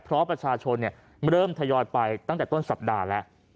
เพราะประชาชนเริ่มทยอยไปตั้งแต่ต้นสัปดาห์แล้ว